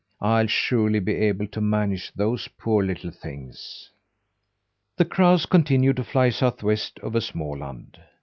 "I'll surely be able to manage those poor little things." The crows continued to fly southwest, over Småland.